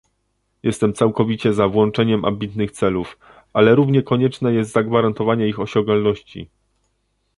Jestem całkowicie za włączeniem ambitnych celów, ale równie konieczne jest zagwarantowanie ich osiągalności